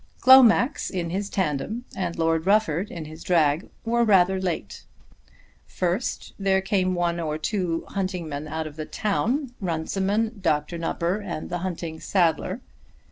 Glomax in his tandem, and Lord Rufford in his drag, were rather late. First there came one or two hunting men out of the town, Runciman, Dr. Nupper, and the hunting saddler.